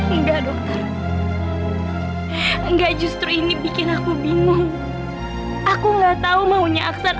enggak dokter enggak justru ini bikin aku bingung aku enggak tahu maunya aksan